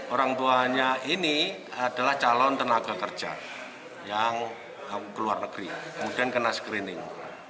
orang tuanya ini adalah calon tenaga kerja yang ke luar negeri kemudian kena screening